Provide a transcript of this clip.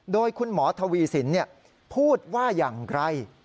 โดยคุณหมอทวีสินพูดว่าอย่างไร